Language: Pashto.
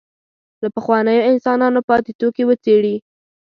له پخوانیو انسانانو پاتې توکي وڅېړي.